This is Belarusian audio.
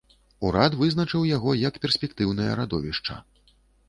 Урад вызначыў яго як перспектыўнае радовішча.